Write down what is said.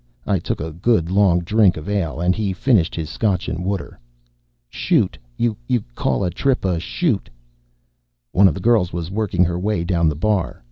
I took a good, long drink of ale and he finished his scotch and water. "Shoot. You call a trip a 'shoot'." One of the girls was working her way down the bar.